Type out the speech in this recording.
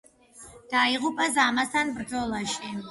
დაიღუპა ზამასთან ბრძოლაში.